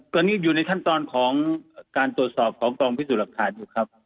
กรณีอยู่ในขั้นตอนของการตรวจสอบของทรวปพิสิตุหลักฐานดูครับ